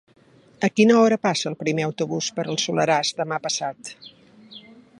A quina hora passa el primer autobús per el Soleràs demà passat?